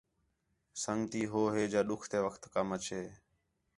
سَنڳتی ہو ہے جا ݙُکھ تے وقت کَم اَچے